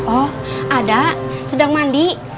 oh ada sedang mandi